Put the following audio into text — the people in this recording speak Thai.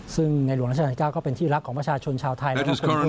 ซึ่งในหลวงราชกาลที่๙ก็เป็นที่รักของประชาชนชาวไทยและพลังค์กับทุกคน